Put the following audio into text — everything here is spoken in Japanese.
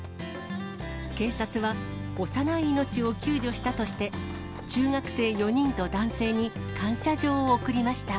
警察は、幼い命を救助したとして、中学生４人と男性に感謝状を贈りました。